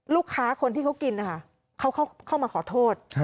ลูกค้าคนที่เขากินนะคะเขาเข้ามาขอโทษ